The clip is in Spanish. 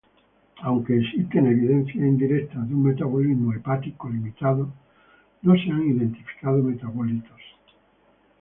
Aunque existen evidencias indirectas de un metabolismo hepático limitado, no se han identificado metabolitos.